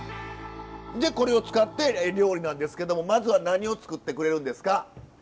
でこれを使って料理なんですけどもまずは何を作ってくれるんですか？